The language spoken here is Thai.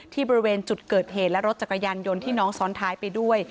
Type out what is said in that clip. บริเวณจุดเกิดเหตุและรถจักรยานยนต์ที่น้องซ้อนท้ายไปด้วย